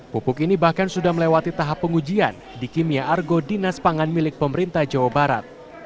pupuk ini bahkan sudah melewati tahap pengujian di kimia argo dinas pangan milik pemerintah jawa barat